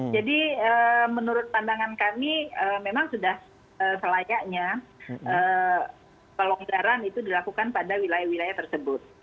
menurut pandangan kami memang sudah selayaknya pelonggaran itu dilakukan pada wilayah wilayah tersebut